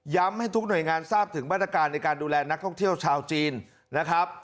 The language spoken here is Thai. ให้ทุกหน่วยงานทราบถึงมาตรการในการดูแลนักท่องเที่ยวชาวจีนนะครับ